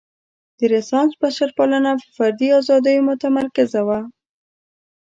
د رنسانس بشرپالنه په فردي ازادیو متمرکزه وه.